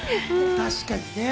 確かにね。